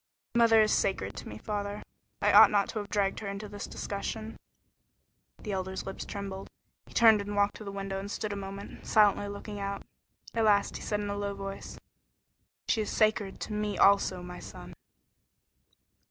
"Mother is sacred to me, father. I ought not to have dragged her into this discussion." The Elder's lips trembled. He turned and walked to the window and stood a moment, silently looking out. At last he said in a low voice: "She is sacred to me also, my son."